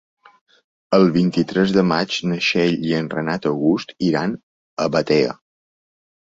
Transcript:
El vint-i-tres de maig na Txell i en Renat August iran a Batea.